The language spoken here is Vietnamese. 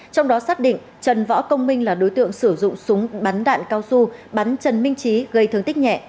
trong đó xác định trần võ công minh là đối tượng sử dụng súng bắn đạn cao su bắn trần minh trí gây thương tích nhẹ